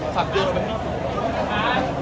จริงบังเกดของขวัญพี่มีทั้งหลายสำคัญ